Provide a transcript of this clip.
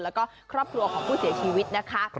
แล้วก็ครอบครัวของผู้เสียชีวิตนะคะ